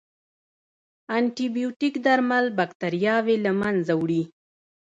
انټيبیوټیک درمل باکتریاوې له منځه وړي.